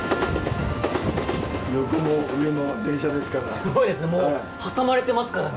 横も上も電車ですから。